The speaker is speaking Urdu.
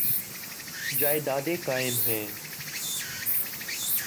جائیدادیں قائم ہیں۔